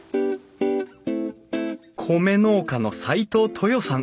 米農家の齋藤トヨさん。